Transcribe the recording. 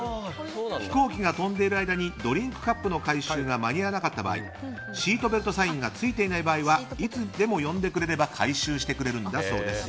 飛行機が飛んでいる間にドリンクカップの回収が間に合わなかった場合シートベルトサインがついていない場合はいつでも呼んでくれれば回収してくれるんだそうです。